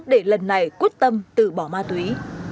để lần này quyết tâm tự bỏ ma túy